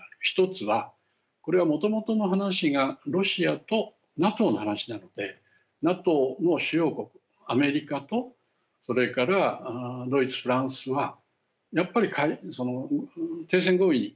一つはこれはもともとの話がロシアとＮＡＴＯの話なのでＮＡＴＯの主要国アメリカとそれからドイツフランスはやっぱり停戦合意